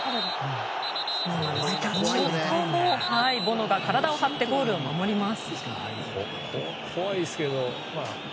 ボノが体を張ってゴールを守ります。